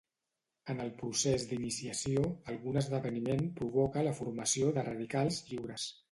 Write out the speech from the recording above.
En el procés d'iniciació, algun esdeveniment provoca la formació de radicals lliures.